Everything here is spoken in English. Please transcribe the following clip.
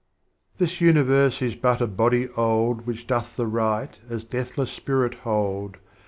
VI. This Universe is but a Body old Which doth the Right, ^^ as Deathless Spirit hold.